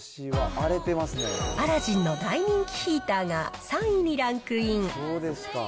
アラジンの大人気ヒーターが３位にランクイン。